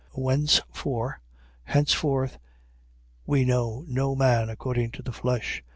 5:16. Wherefore henceforth, we know no man according to the flesh.